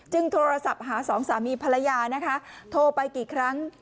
โทรศัพท์หาสองสามีภรรยานะคะโทรไปกี่ครั้ง